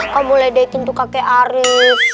kamu ledekin tuh kakek arief